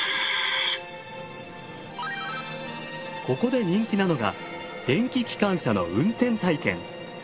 ここで人気なのが電気機関車の運転体験。